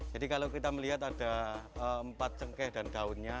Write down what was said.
jadi kalau kita melihat ada empat cengkeh dan daunnya